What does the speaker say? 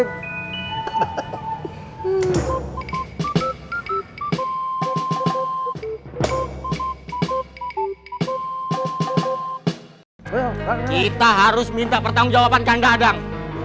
kita harus minta pertanggung jawaban kang gadang